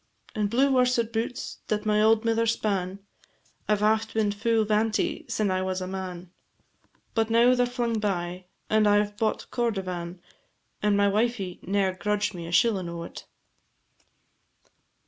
In blue worset boots that my auld mither span, I 've aft been fu' vanty sin' I was a man, But now they 're flung by, and I 've bought cordivan, And my wifie ne'er grudged me a shillin' o't.